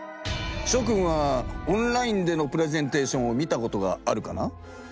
しょくんはオンラインでのプレゼンテーションを見たことがあるかな？